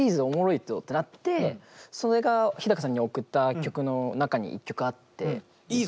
オモロいってなってそれが日高さんに送った曲の中に１曲あって。